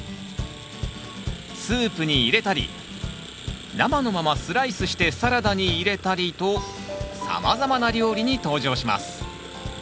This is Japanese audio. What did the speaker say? スープに入れたり生のままスライスしてサラダに入れたりとさまざまな料理に登場します。